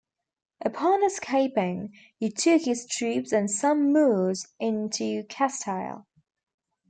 Upon escaping, he took his troops and some Moors into Castile.